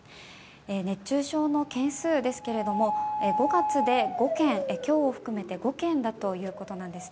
熱中症の件数ですけども５月で今日を含めて５件だということです。